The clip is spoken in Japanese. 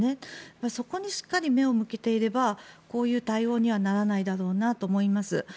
そこにしっかり目を向けていればこういう対応にはならないだろうなと思います。